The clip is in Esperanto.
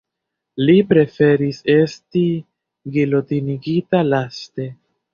Li preferis esti gilotinigita laste.